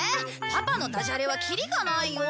パパのダジャレはきりがないよ！